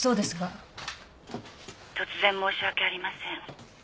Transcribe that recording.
☎突然申し訳ありません。